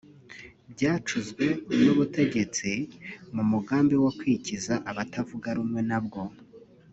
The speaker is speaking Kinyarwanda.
byacuzwe n’ubutegetsi mu mugambi wo kwikiza abatavuga rumwe na bwo